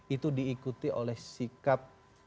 itu diikuti oleh sikap